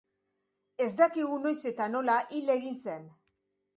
Ez dakigu noiz eta nola hil egin zen.